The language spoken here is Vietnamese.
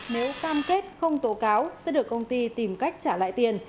nếu cam kết không tố cáo sẽ được công ty tìm cách trả lại tiền